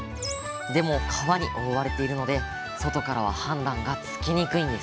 でも皮に覆われているので外からは判断がつきにくいんです。